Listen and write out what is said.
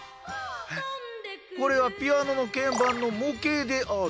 これはピアノのけん盤の模型である。